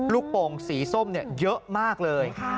โป่งสีส้มเยอะมากเลย